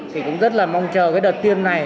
thì cũng rất là mong chờ cái đợt tiêm này